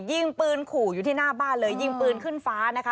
ยิงปืนขู่อยู่ที่หน้าบ้านเลยยิงปืนขึ้นฟ้านะคะ